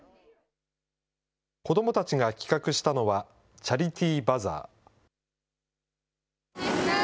子どもたちが企画したのは、チャリティーバザー。